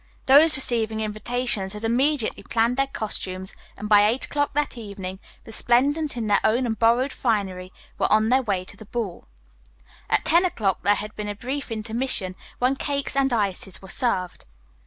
Those receiving invitations had immediately planned their costumes and by eight o'clock that evening, resplendent in their own and borrowed finery, were on their way to the ball. At ten o'clock there had been a brief intermission, when cakes and ices were served.